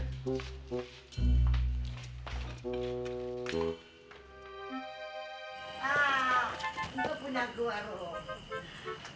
ah lu punya dua ruh